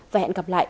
và hẹn gặp lại